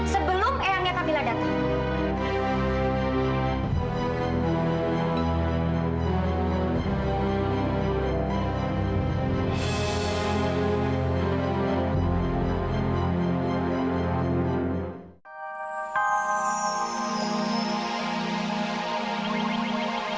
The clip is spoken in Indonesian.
sebelum ehangnya kamila datang